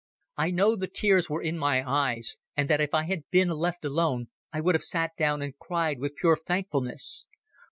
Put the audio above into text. I know the tears were in my eyes, and that if I had been left alone I would have sat down and cried with pure thankfulness.